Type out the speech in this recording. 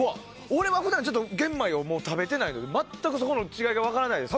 俺は普段玄米は食べてないから全くそこの違いが分からないです。